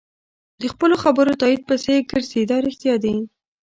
د خپلو خبرو تایید پسې ګرځي دا رښتیا دي.